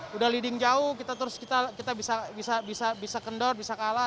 sudah leading jauh kita bisa kendor bisa kalah